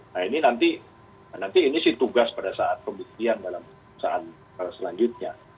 nah ini nanti ini sih tugas pada saat pembuktian dalam perusahaan selanjutnya